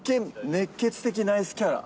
熱ケツ的ナイスキャラ。